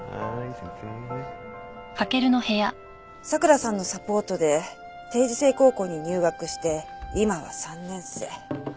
佐倉さんのサポートで定時制高校に入学して今は３年生。